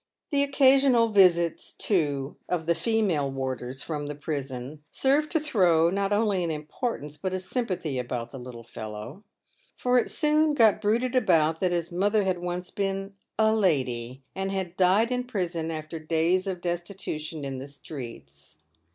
The occasional visits, too, of the female warders from the prison, PAYED WITH GOLD. 39 served to throw, not only an importance, but a sympathy, about the little fellow ; for it soon got bruited about that his mother had once been "a lady," and had died in prison after days of destitution in the streets.